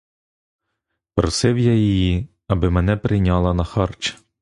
Просив я її, аби мене прийняла на харч.